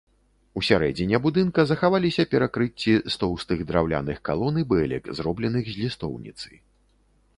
Усярэдзіне будынка захаваліся перакрыцці з тоўстых драўляных калон і бэлек, зробленых з лістоўніцы.